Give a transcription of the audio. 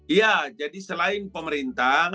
iya jadi selain pemerintah